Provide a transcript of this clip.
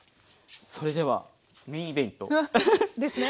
それではメインイベント。ですね。